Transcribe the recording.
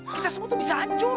kita semua tuh bisa hancur